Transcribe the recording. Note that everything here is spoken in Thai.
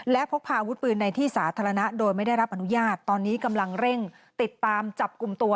และพกพาอาวุธปืนในที่สาธารณะโดยไม่ได้รับอนุญาตตอนนี้กำลังเร่งติดตามจับกลุ่มตัว